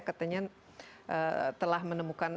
katanya telah menemukan